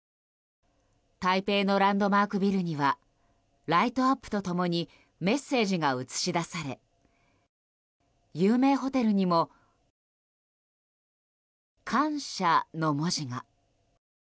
台北のランドマークビルにはライトアップと共にメッセージが映し出され有名ホテルにも「カンシャ」の文字が。